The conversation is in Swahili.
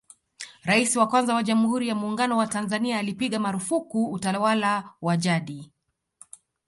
Rais wa kwanza wa Jamhuri ya Muungano wa Tanzania alipiga maarufuku utawala wa jadi